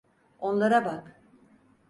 Onlara bak.